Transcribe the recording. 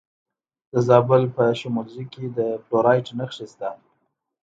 د زابل په شمولزای کې د فلورایټ نښې شته.